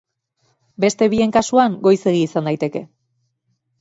Beste bien kasuan goizegi izan daiteke.